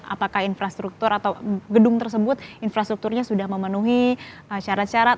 apakah infrastruktur atau gedung tersebut infrastrukturnya sudah memenuhi syarat syarat